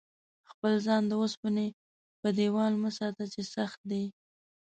خپل ځان د اوسپنې په دېوال مه ساته چې سخت دی.